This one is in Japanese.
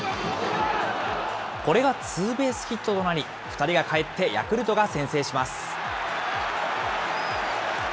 これがツーベースヒットとなり、２人が帰ってヤクルトが先制します。